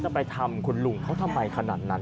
ไปทำคุณลุงเขาทำไมขนาดนั้น